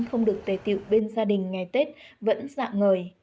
không được tề tiệu bên gia đình ngày tết vẫn dạng ngời